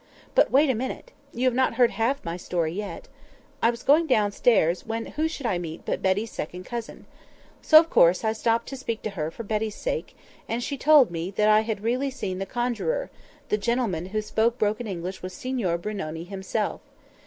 But wait a minute! You have not heard half my story yet! I was going downstairs, when who should I meet but Betty's second cousin. So, of course, I stopped to speak to her for Betty's sake; and she told me that I had really seen the conjuror—the gentleman who spoke broken English was Signor Brunoni himself.